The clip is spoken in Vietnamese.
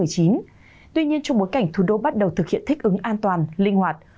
tuy nhiên trong bối cảnh thủ đô bắt đầu thực hiện thích ứng an toàn linh hoạt